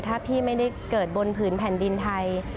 ถ้าพี่ไม่ได้เกิดบนผืนแผ่นดินไทย